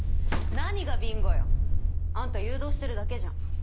何がビンゴよあんた誘導してるだけじゃん。